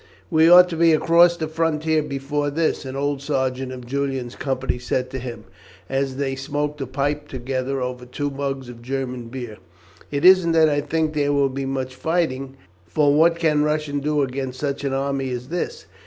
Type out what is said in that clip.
"We ought to be across the frontier before this," an old sergeant of Julian's company said to him, as they smoked a pipe together over two mugs of German beer. "It isn't that I think there will be much fighting, for what can Russia do against such an army as this?